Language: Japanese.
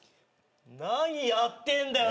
何やってんだよ。